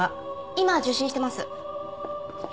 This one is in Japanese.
今受信してます。